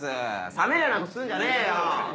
冷めるようなことすんじゃねえよ！